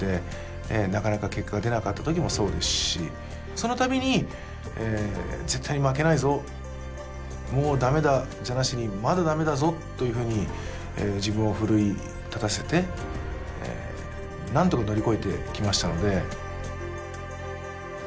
その度に「絶対に負けないぞ！」「もうだめだ」じゃなしに「まだだめだぞ！」というふうに自分を奮い立たせてなんとか乗り越えてきましたので。